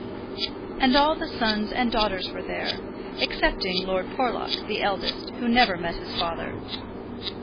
And all the sons and daughters were there, excepting Lord Porlock, the eldest, who never met his father.